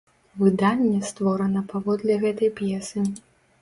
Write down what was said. Выданне створана паводле гэтай п'есы.